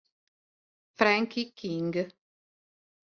Frankie King